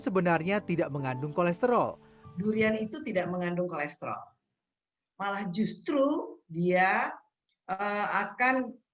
sebenarnya tidak mengandung kolesterol durian itu tidak mengandung kolesterol malah justru dia akan